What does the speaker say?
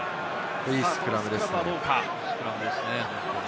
いいスクラムですね。